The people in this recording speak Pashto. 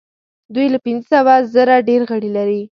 دوی له پنځه سوه زره ډیر غړي لري.